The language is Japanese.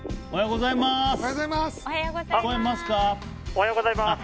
おはようございます。